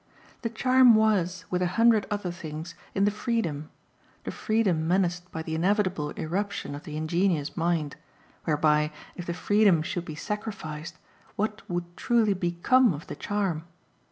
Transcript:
The charm was, with a hundred other things, in the freedom the freedom menaced by the inevitable irruption of the ingenuous mind; whereby, if the freedom should be sacrificed, what would truly BECOME of the charm?